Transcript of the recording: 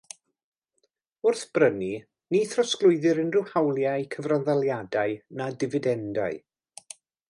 Wrth brynu, ni throsglwyddir unrhyw hawliau cyfranddaliadau na difidendau.